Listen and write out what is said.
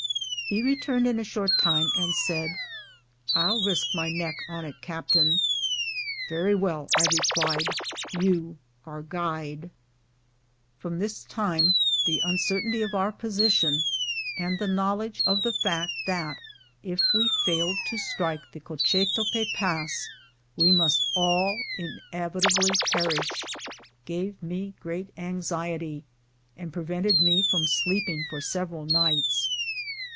He returned in a short time and said, "I'll risk my neck on it, captain." "Very well," I replied, "you are guide." 238 BRAVE SOLDIERS. From this time the uncertainty of our position, and the knowledge of the fact that if we failed to strike the Coche tope Pass we must all inevitably perish, gave me great anx iety, and prevented me from sleeping for several nights.